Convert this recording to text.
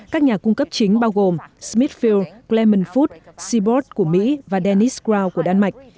các nhà cung cấp chính bao gồm smithfield clement foods seaboard của mỹ và dennis brown của đan mạch